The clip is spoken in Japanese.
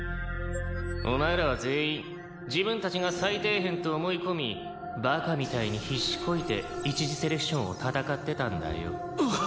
お前らは全員自分たちが最底辺と思い込みバカみたいに必死こいて一次セレクションを戦ってたんだよ。